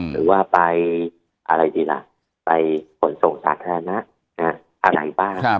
หรือว่าไปอะไรดีละไปส่วนสงฆ์ชาธาแนร้าอาหาราบบ้างครับ